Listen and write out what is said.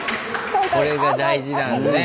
これが大事なんだね。